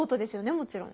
もちろん。